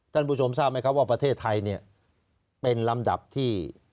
ท่านผู้ชมทราบไหมครับว่าประเทศไทยเนี่ยเป็นลำดับที่